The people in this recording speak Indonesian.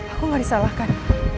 aku gak disalahkan